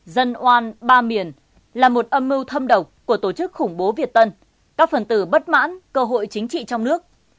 dân oan ba miền là một âm mưu thâm độc của tổ chức khủng bố việt tân các phần tử bất mãn cơ hội chính trị trong nước